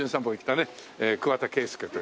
桑田佳祐と。